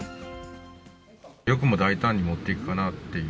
よくも大胆に持っていくかなっていう。